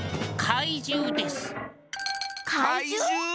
かいじゅう？